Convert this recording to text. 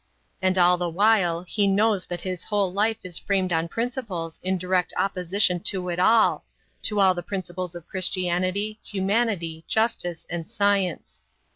And all the while he knows that his whole life is framed on principles in direct opposition to it all, to all the principles of Christianity, humanity, justice, and science.